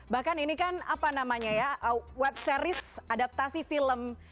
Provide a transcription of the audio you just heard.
bahkan ini kan apa namanya ya web series adaptasi film